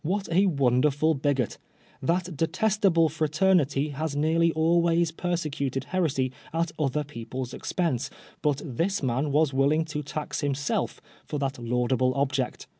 What a wonderful bigot I That detestable fraternity has nearly always persecuted heresy at other people^s expense, but this man was willing to tax himself for that laudable object.